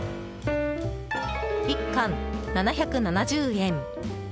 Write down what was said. １貫７７０円。